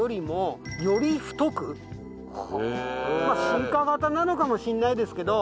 進化型なのかもしれないですけど。